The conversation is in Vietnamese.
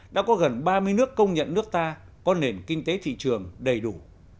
đã có gần ba mươi nước công nhận nước ta có nền kinh tế thị trường đầy đủ